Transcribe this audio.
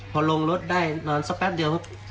พอลงรถได้นอนสักแป๊บเดียวครับ